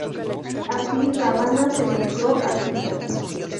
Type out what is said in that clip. Así Rávana secuestró a Sita.